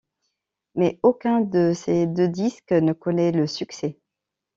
Mais aucun de ces deux disques ne connaît le succès.